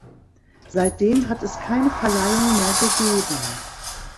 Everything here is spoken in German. Seitdem hat es keine Verleihung mehr gegeben.